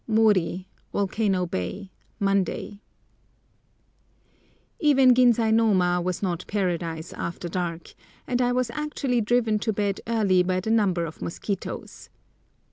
MORI, VOLCANO BAY, Monday. Even Ginsainoma was not Paradise after dark, and I was actually driven to bed early by the number of mosquitoes.